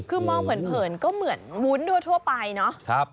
คือมองเผินก็เหมือนวุ้นทั่วไปเนาะ